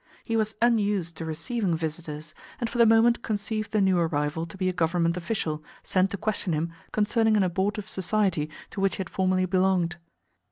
He was unused to receiving visitors, and for the moment conceived the new arrival to be a Government official, sent to question him concerning an abortive society to which he had formerly belonged.